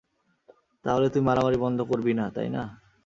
তাহলে তুই মারামারি বন্ধ করবি না, তাই না?